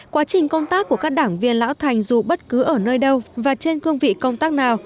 quá trình công tác của các đảng viên lão thành dù bất cứ ở nơi đâu và trên cương vị công tác nào